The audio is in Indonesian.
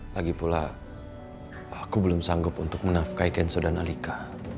lagi pula aku belum sanggup untuk menafkai kenso dan alika